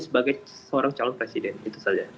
sebagai seorang calon presiden itu saja